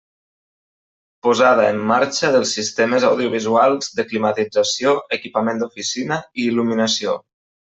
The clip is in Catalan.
Posada em marxa dels sistemes audiovisuals, de climatització, equipament d'oficina i il·luminació.